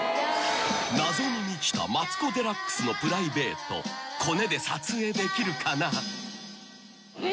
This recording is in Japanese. ［謎に満ちたマツコデラックスのプライベートコネで撮影できるかな？］